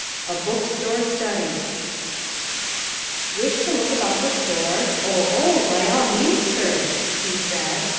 A Book Store Study "Wish to look about the store? Oh, oh, by all means, sir," he said.